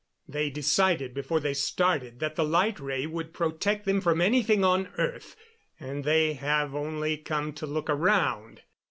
They decided before they started that the light ray would protect them from anything on earth, and they have only come to look around.